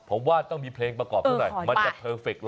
ผมว่าต้องมีเพลงประกอบซะหน่อยมันจะเพอร์เฟค